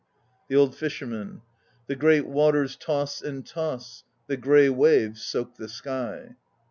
THE OLD FISHERMAN. The great waters toss and toss; The grey waves soak the sky.